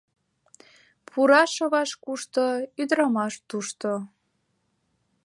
Пура-шоваш кушто — ӱдырамаш тушто